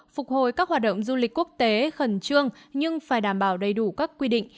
phục hồi các hoạt động du lịch quốc tế khẩn trương nhưng phải đảm bảo đầy đủ các quy định